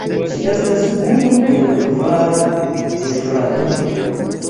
Ŝi estas unu el kvar gefratoj.